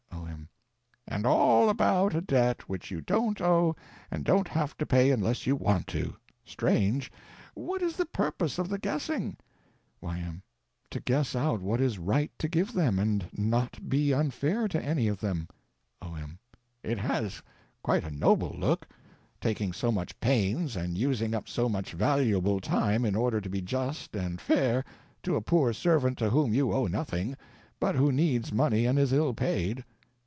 O.M. And all about a debt which you don't owe and don't have to pay unless you want to! Strange. What is the purpose of the guessing? Y.M. To guess out what is right to give them, and not be unfair to any of them. O.M. It has quite a noble look—taking so much pains and using up so much valuable time in order to be just and fair to a poor servant to whom you owe nothing, but who needs money and is ill paid.